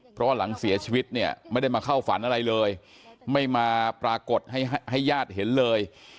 เพราะหลังเสียชีวิตเนี่ยไม่ได้มาเข้าฝันอะไรเลยไม่มาปรากฏให้ให้ญาติเห็นเลย